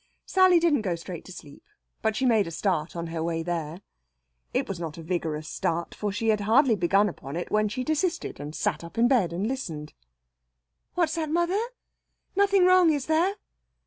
Sally didn't go straight to sleep, but she made a start on her way there. It was not a vigorous start, for she had hardly begun upon it when she desisted, and sat up in bed and listened. "What's that, mother? Nothing wrong, is there?"